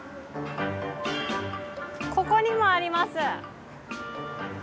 ここにもあります。